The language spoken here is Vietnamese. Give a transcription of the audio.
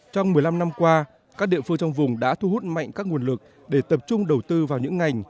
trong một mươi năm năm qua các địa phương trong vùng đã thu hút mạnh các nguồn lực để tập trung đầu tư vào những ngành